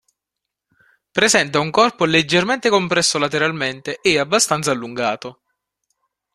Presenta un corpo leggermente compresso lateralmente e abbastanza allungato.